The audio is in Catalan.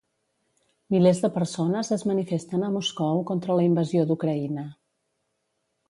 Milers de persones es manifesten a Moscou contra la invasió d'Ucraïna.